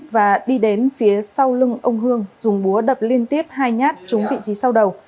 và đi đến phía sau lưng ông hương dùng búa đập liên tiếp hai nhát trúng vị trí sau đầu